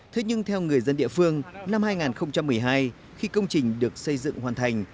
thế nhưng theo người dân địa phương năm hai nghìn một mươi hai khi công trình được xây dựng hoàn thành